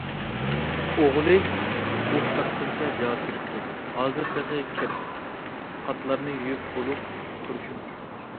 ئوغلى ئۇھ تارتقىنىچە جاۋاب بېرىپتۇ:- ھازىر تېخى كىر- قاتلارنى يۇيۇپ بولۇپ تۇرۇشۇم.